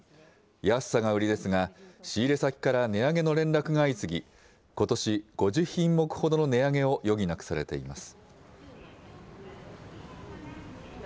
安さが売りですが、仕入れ先から値上げの連絡が相次ぎ、ことし、５０品目ほどの値上げを余儀なくされています。